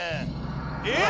えっ！？